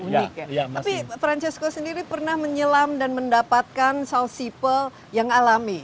tapi francesco sendiri pernah menyelam dan mendapatkan south sea pearl yang alami